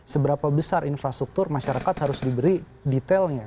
seberapa besar infrastruktur masyarakat harus diberi detailnya